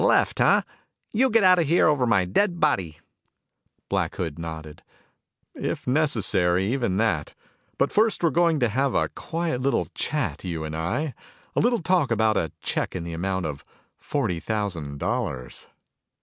"Left, huh? You'll get out of here over my dead body!" Black Hood nodded. "If necessary, even that. But first we're going to have a quiet little chat, you and I. A little talk about a check in the amount of forty thousand dollars."